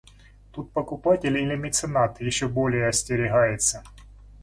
Тут покупатель или меценат еще более остерегается.